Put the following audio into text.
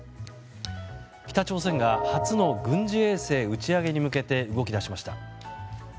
北朝鮮が初の軍事衛星打ち上げに向けて動き出しました。